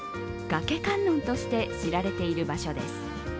崖観音として知られている場所です。